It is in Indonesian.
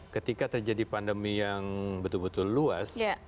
ketika terjadi pandemi yang betul betul luas